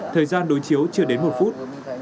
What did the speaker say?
thời gian đối chiếu chưa đến một phút